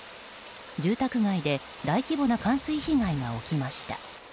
住宅街で大規模な冠水被害が起きました。